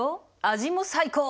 味も最高。